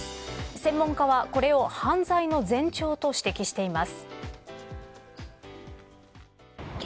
専門家はこれを犯罪の前兆と指摘しています。